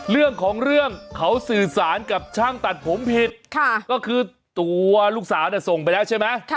เรื่องของเรื่องเขาสื่อสารกับช่างตัดผมผิดก็คือตัวลูกสาวส่งไปแล้วใช่ไหม